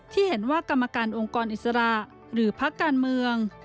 ที่เห็นว่ากรรมการองค์กรอิสระหรือพักการเมือง